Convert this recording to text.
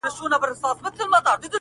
• د سترگو توره سـتــا بـلا واخلـمـه.